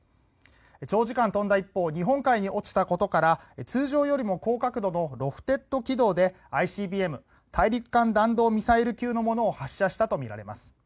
長時間飛んだ一方日本海に落ちたことから通常よりも高角度のロフテッド軌道でＩＣＢＭ・大陸間弾道ミサイル級のものを発射したとみられます。